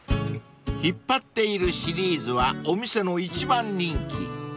［引っ張っているシリーズはお店の一番人気］